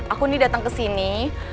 aku ini datang kesini